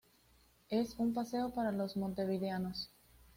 Es un paseo para los montevideanos.